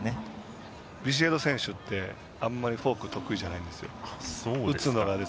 ビシエド選手ってあんまりフォーク得意じゃないんですよ。